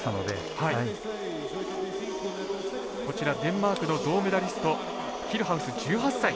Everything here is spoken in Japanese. こちらデンマークの銅メダリストヒルハウス１８歳。